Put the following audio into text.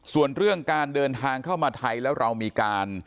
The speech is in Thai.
ส่วนเรื่องการเดินทางเข้ามาไทยแล้วเรามีการ